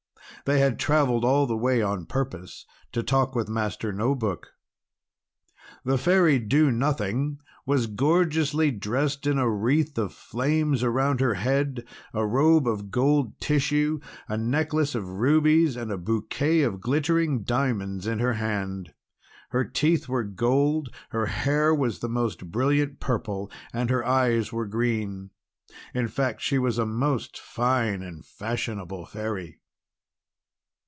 They had travelled all the way on purpose to talk with Master No Book. The Fairy Do Nothing was gorgeously dressed with a wreath of flames round her head, a robe of gold tissue, a necklace of rubies, and a bouquet of glittering diamonds in her hand. Her teeth were gold, her hair was of the most brilliant purple, and her eyes were green. In fact she was a most fine and fashionable Fairy.